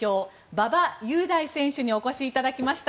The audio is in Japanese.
馬場雄大選手にお越しいただきました。